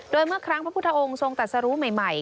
โดยเมื่อครั้งพระพุทธองค์ทรงตัดสรุใหม่